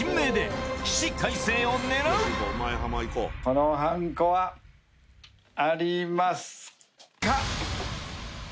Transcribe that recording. このはんこはありますか？